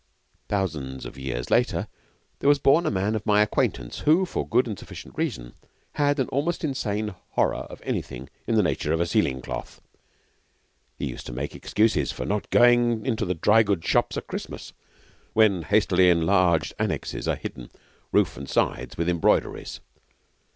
Thousands of years later, there was born a man of my acquaintance who, for good and sufficient reason, had an almost insane horror of anything in the nature of a ceiling cloth. He used to make excuses for not going into the dry goods shops at Christmas, when hastily enlarged annexes are hidden, roof and sides, with embroideries.